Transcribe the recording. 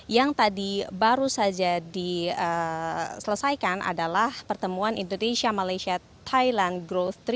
yang tadi baru saja diselesaikan adalah pertemuan indonesia malaysia thailand growth tiga